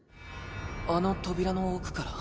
あの扉の奥から？